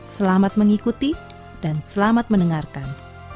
selamat mengikuti dan selamat mendengarkan